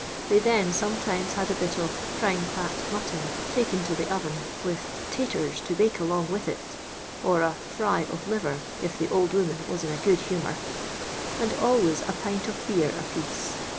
"They then sometimes had a bit of " prime fat mutton" taken to the oven, with " taturs to bake along with it;" or a " fry of liver, if the old 'oraan was in a good hnmoor," and always a pint of beer apiece.